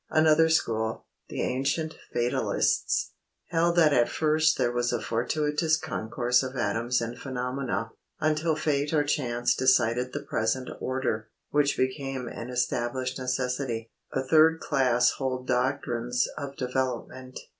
Another school the ancient Fatalists held that at first there was a fortuitous concourse of atoms and phenomena, until Fate or Chance decided the present order, which became an established necessity. A third class hold doctrines of Development.